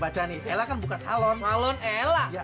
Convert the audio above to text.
jangan begitu lah